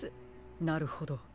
なるほど。